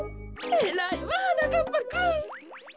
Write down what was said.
えらいわはなかっぱくん。